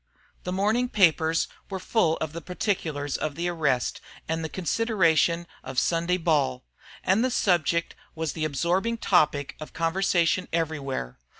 The morning papers were full of the particulars of the arrest and the consideration of Sunday ball; and the subject was the absorbing topic of conversation everywhere.